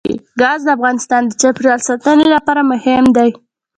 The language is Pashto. ګاز د افغانستان د چاپیریال ساتنې لپاره مهم دي.